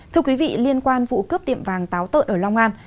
thưa quý vị liên quan vụ cướp tiệm vàng táo tợn ở long an